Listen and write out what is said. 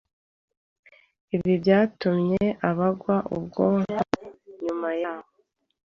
Ibi byatumye abagwa ubwonko nyuma y’aho